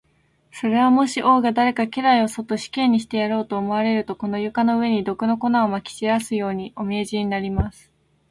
それは、もし王が誰か家来をそっと死刑にしてやろうと思われると、この床の上に、毒の粉をまき散らすように、お命じになります。